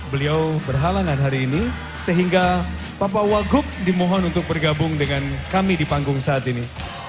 beliau berhalangan hari ini sehingga bapak wagub dimohon untuk bergabung dengan kami di panggung saat ini